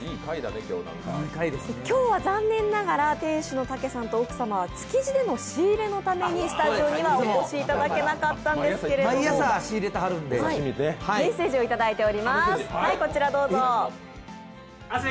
今日は残念ながら店主のタケさんと奥様は築地での仕入れのためにお越しいただけなかったんですけどメッセージをいただいています。